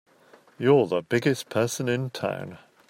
You're the biggest person in town!